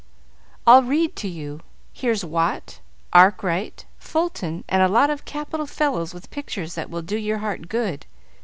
"I'll read to you. Here's Watt, Arkwright, Fulton, and a lot of capital fellows, with pictures that will do your heart good.